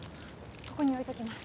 ここに置いときます